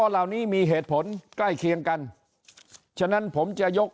เหล่านี้มีเหตุผลใกล้เคียงกันฉะนั้นผมจะยก